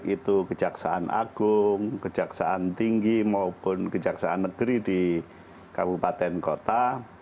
itu kejaksaan agung kejaksaan tinggi maupun kejaksaan negeri di kabupaten kota